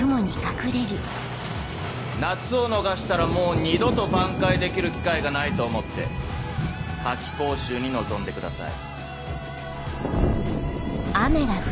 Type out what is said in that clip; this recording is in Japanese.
夏を逃したらもう二度と挽回できる機会がないと思って夏期講習に臨んでください。